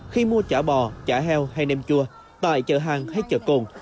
khi mua chả bò chả heo hay nem chua tại chợ hàng hay chợ cồn